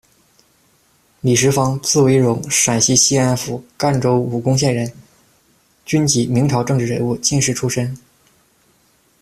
李时芳，字惟荣，陕西西安府干州武功县人，军籍，明朝政治人物、进士出身。